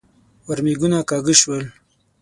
ورمېږونه کاږه شول.